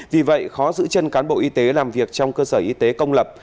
vì vậy khó giữ chân cán bộ y tế làm việc trong cơ sở y tế công lập